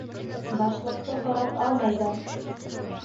- Башлыҡты һорап алмайҙар!